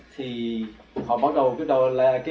thì họ bắt đầu